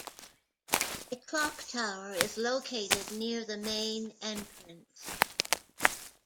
A clock tower is located near the main entrance.